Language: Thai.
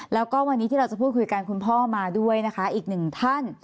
แล้วก็วันนี้ที่เราจะพูดคุยกันคุณพ่อมาด้วยนะคะอีกหนึ่งท่าน